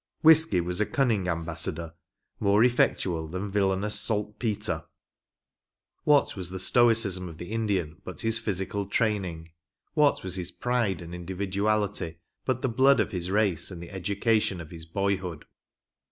Whiskey was a cunning ambassador, more effectual than " villainous saltpetre." What was the stoicism of the Indian but his physical training ; what was his pride and individu ality but the blood of his race and the education of his boyhood